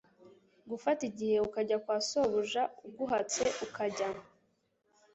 gufata igihe kujya kwa sobuja uguhatse ukajya